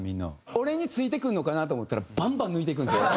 俺について来るのかなと思ったらバンバン抜いていくんですよ。